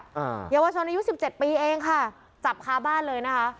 อ่าเยาวชนอายุสิบเจ็ดปีเองค่ะจับค้าบ้านเลยนะคะ